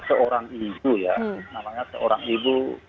seorang ibu ya namanya seorang ibu